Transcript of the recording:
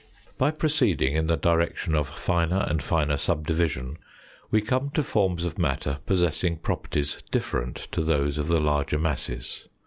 By proceeding in the direction of finer r.nd finer sub division, we come to forms of matter possessing properties different to those of the larger masses.